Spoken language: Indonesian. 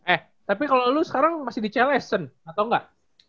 eh tapi kalau lu sekarang masih di cls sen atau nggak